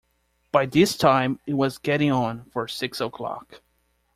By this time it was getting on for six o’clock.